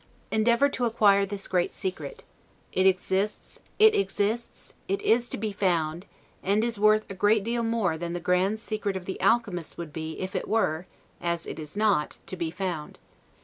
Endeavor to acquire this great secret; it exists, it is to be found, and is worth a great deal more than the grand secret of the alchemists would be if it were, as it is not, to be found.